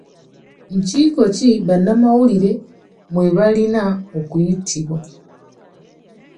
Nkiiko ki bannamawulire mwe balina okuyitibwa?